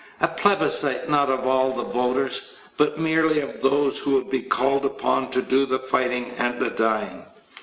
A plebiscite not of all the voters but merely of those who would be called upon to do the fighting and dying.